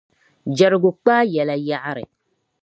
Jɛrigu kpaai yɛla yaɣiri.